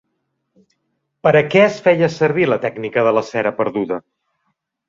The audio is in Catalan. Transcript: Per a què es feia servir la tècnica de la cera perduda?